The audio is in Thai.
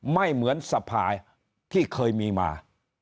ไม่เหมือนสภาที่เคยมีมา